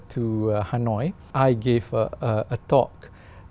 từ malaysia đến hà nội